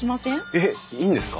えっいいんですか？